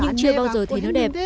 nhưng chưa bao giờ thấy nó đẹp